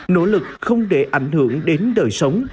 nỗ lực không để ảnh hưởng đến đời sống